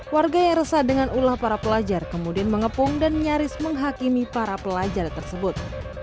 warga yang resah dengan ulah para pelajar kemudian mengepung dan nyaris menghakimi para pelajar tersebut